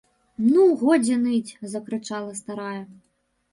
- Ну, годзе ныць! - закрычала старая